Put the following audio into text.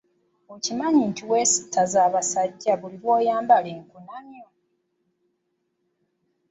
Okimanyi nti weesittaza abasajja buli lw'oyambala enkunamyo?